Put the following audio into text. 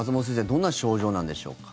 どんな症状なんでしょうか。